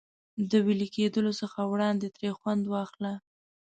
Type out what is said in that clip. د وېلې کېدلو څخه وړاندې ترې خوند واخله.